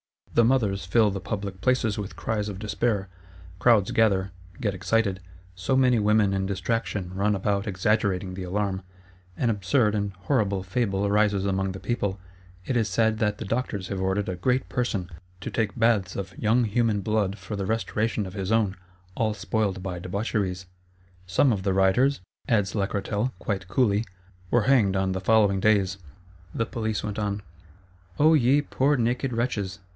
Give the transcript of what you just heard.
The mothers fill the public places with cries of despair; crowds gather, get excited: so many women in destraction run about exaggerating the alarm: an absurd and horrid fable arises among the people; it is said that the doctors have ordered a Great Person to take baths of young human blood for the restoration of his own, all spoiled by debaucheries. Some of the rioters," adds Lacretelle, quite coolly, "were hanged on the following days:" the Police went on. O ye poor naked wretches!